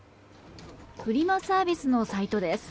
フリマサービスのサイトです。